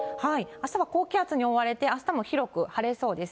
あしたは高気圧に覆われて、あしたも広く晴れそうです。